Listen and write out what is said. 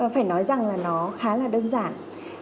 phải nói rằng là nó khá là đơn giản